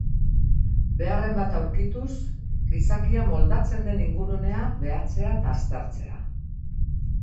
Beharren bat aurkituz, gizakia moldatzen den ingurunea behatzea eta aztertzea.